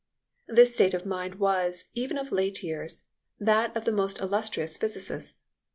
This state of mind was, even of late years, that of the most illustrious physicists.